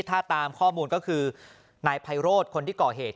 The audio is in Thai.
ถ้าตามข้อมูลก็คือนายไพโรธคนที่ก่อเหตุ